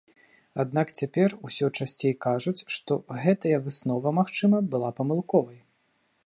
Аднак цяпер усё часцей кажуць, што гэтая выснова, магчыма, была памылковай.